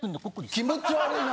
気持ち悪いな。